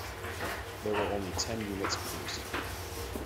There were only ten units produced.